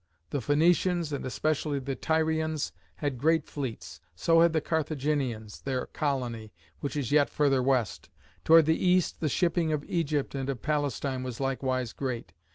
The Phoenicians, and especially the Tyrians, had great fleets. So had the Carthaginians their colony, which is yet further west. Toward the east the shipping of Egypt and of Palestine was likewise great.